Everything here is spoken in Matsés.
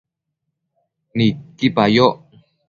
Nidquipa yoc